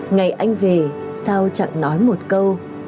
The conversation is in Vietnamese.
ngày anh về sao chẳng nói một câu